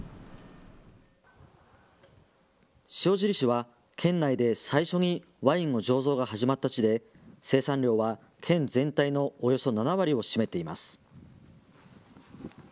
塩尻市は県内で最初にワインの醸造が始まった地で生産量は県全体のおよそ７割を占めています。